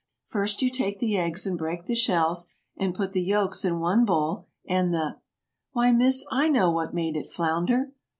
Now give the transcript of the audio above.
"First, you take the eggs and break the shells, and put the yolks in one bowl and the " "Why, Miss, I know what made it flounder."